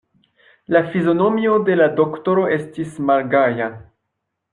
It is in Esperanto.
La fizionomio de la doktoro estis malgaja.